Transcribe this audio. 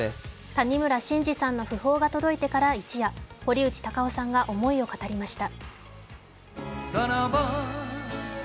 谷村新司さんの訃報が届いてから一夜堀内孝雄さんが思いを語りました。